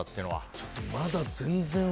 ちょっとまだ全然。